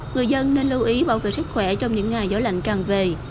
người dân nên lưu ý bảo vệ sức khỏe trong những ngày gió lạnh càng về